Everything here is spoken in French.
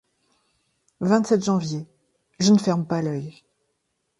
vingt-sept janvier. — Je ne ferme pas l’œil.